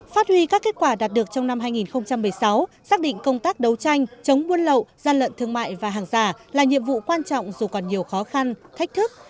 phát huy các kết quả đạt được trong năm hai nghìn một mươi sáu xác định công tác đấu tranh chống buôn lậu gian lận thương mại và hàng giả là nhiệm vụ quan trọng dù còn nhiều khó khăn thách thức